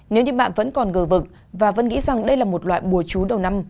nếu như bạn vẫn còn ngờ vực và vẫn nghĩ rằng đây là một loại bùa chú đầu năm